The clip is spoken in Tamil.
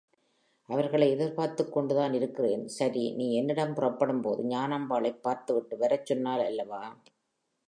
அவர்களை எதிர் பார்த்துக் கொண்டுதான் இருக்கிறேன்! சரி, நீ என்னிடம் புறப்படும்போது ஞானாம்பாளைப் பார்த்துவிட்டு வரச் சொன்னால் அல்லவா?